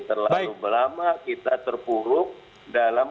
terlalu lama kita terpuruk dalam